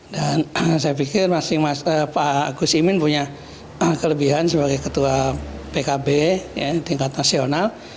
dan saya pikir pak gus imin punya kelebihan sebagai ketua pkb tingkat nasional